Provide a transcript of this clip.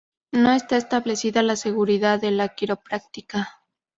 No está establecida la seguridad de la quiropráctica.